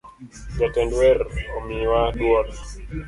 Jatend wer omiwa duol